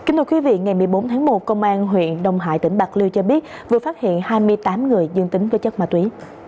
ngày một mươi bốn tháng một công an huyện đông hải tỉnh bạc liêu cho biết vừa phát hiện hai mươi tám người dương tính cơ chất ma túy